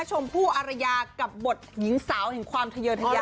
ชมผู้อารยากับบทหญิงสาวถึงความเทยือเทยา